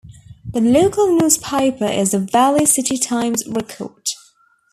The local newspaper is the "Valley City Times-Record".